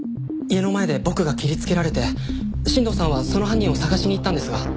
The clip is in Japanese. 家の前で僕が切りつけられて新藤さんはその犯人を捜しに行ったんですが。